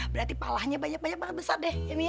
berarti pahalanya banyak banyak banget besar deh ya umi ya